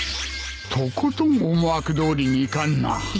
とことん思惑どおりにいかんな